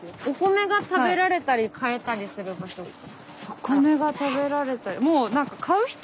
お米が食べられて。